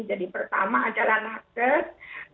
jadi pertama adalah narkotik